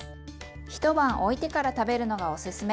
一晩おいてから食べるのがおすすめ。